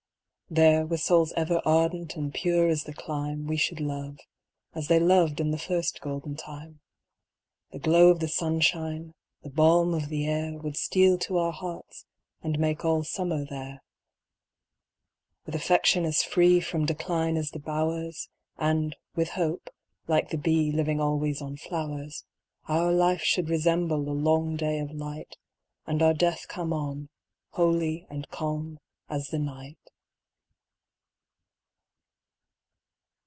There, with souls ever ardent and pure as the clime, We should love, as they loved in the first golden time; The glow of the sunshine, the balm of the air, Would steal to our hearts, and make all summer there. With affection as free From decline as the bowers, And, with hope, like the bee, Living always on flowers, Our life should resemble a long day of light, And our death come on, holy and calm as the night.